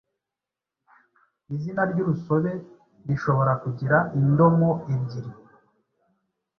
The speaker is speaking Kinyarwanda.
Izina ry’urusobe rishobora kugira indomo ebyiri,